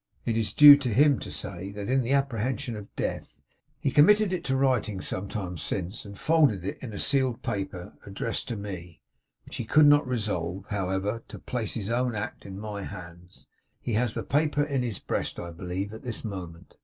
It is due to him to say, that in the apprehension of death, he committed it to writing sometime since, and folded it in a sealed paper, addressed to me; which he could not resolve, however, to place of his own act in my hands. He has the paper in his breast, I believe, at this moment.